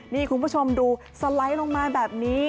นี่คุณผู้ชมดูสไลด์ลงมาแบบนี้